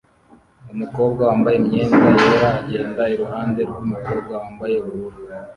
Umukobwa wambaye imyenda yera agenda iruhande rwumukobwa wambaye ubururu